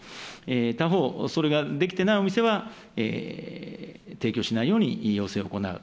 他方、それができてないお店は提供しないように要請を行う。